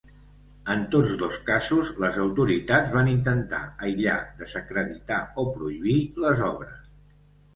En tots dos casos, les autoritats van intentar aïllar, desacreditar o prohibir les obres.